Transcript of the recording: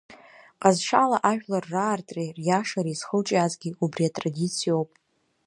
Ҟазшьала ажәлар раартреи риашареи зхылҿиаазгьы убри атрадициоуп.